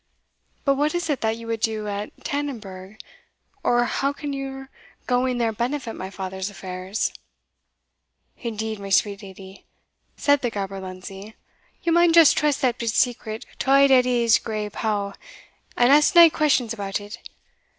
"But what is it that you would do at Tannonburgh? or how can your going there benefit my father's affairs?" "Indeed, my sweet leddy," said the gaberlunzie, "ye maun just trust that bit secret to auld Edie's grey pow, and ask nae questions about it.